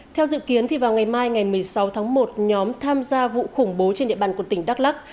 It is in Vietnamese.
theo dự kiến vào ngày mai ngày một mươi sáu tháng một nhóm tham gia vụ khủng bố trên địa bàn quận tỉnh đắk lắc